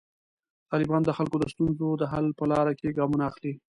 طالبان د خلکو د ستونزو د حل په لاره کې ګامونه اخلي.